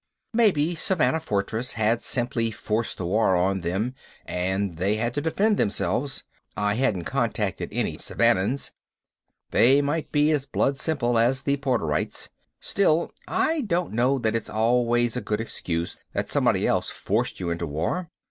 Maybe Savannah Fortress had simply forced the war on them and they had to defend themselves. I hadn't contacted any Savannans they might be as blood simple as the Porterites. Still, I don't know that it's always a good excuse that somebody else forced you into war.